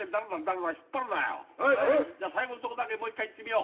じゃあ最後のとこだけもう一回いってみよう。